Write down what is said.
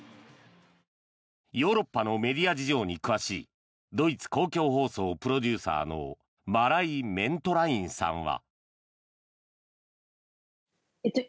ヨーロッパのメディア事情に詳しいドイツ公共放送プロデューサーのマライ・メントラインさんは。